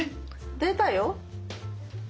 出たよ！